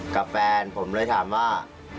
กับแฟนผมเลยถามว่า